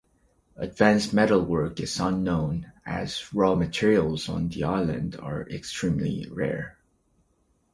Advanced metalwork is unknown, as raw materials on the island are extremely rare.